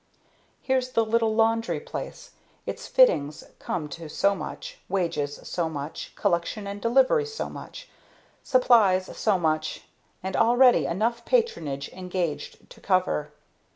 "Here's the little laundry place; its fittings come to so much, wages so much, collection and delivery so much, supplies so much and already enough patronage engaged to cover.